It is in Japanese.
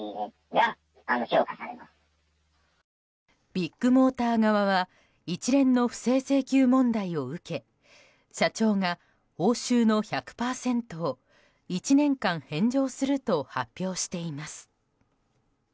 ビッグモーター側は一連の不正請求問題を受け社長が、報酬の１００％を１年間返上すると発表しています。